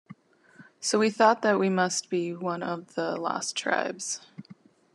So we thought that we must be one of the lost tribes.